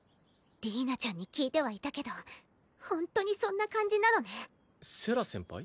ディーナちゃんに聞いてはいたけどホントにそんな感じなのねセラ先輩？